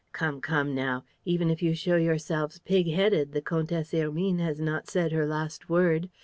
Come, come now! Even if you show yourselves pig headed, the Comtesse Hermine has not said her last word!